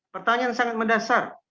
pertanyaan sangat mendasar